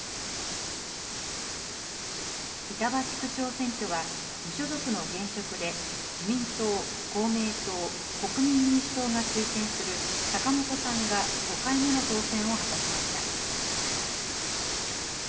板橋区長選挙は無所属の現職で、自民党、公明党、国民民主党が推薦する坂本さんが５回目の当選を果たしました。